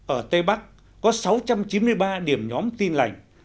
ở tây bắc có sáu trăm chín mươi ba điểm nhóm tin lành